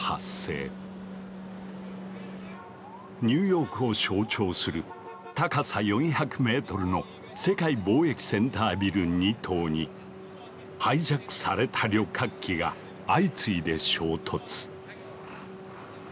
ニューヨークを象徴する高さ４００メートルの世界貿易センタービル２棟にハイジャックされた旅客機が相次いで衝突。